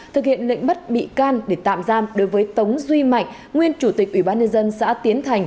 thực hiện lệnh bắt bị can để tạm giam đối với tống duy mạnh nguyên chủ tịch ubnd xã tiến thành